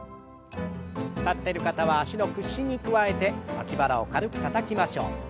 立ってる方は脚の屈伸に加えて脇腹を軽くたたきましょう。